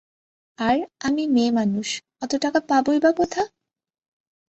আর, আমি মেয়েমানুষ, অত টাকা পাবই বা কোথা?